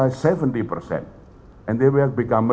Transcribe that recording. dan mereka akan menjadi lebih kaya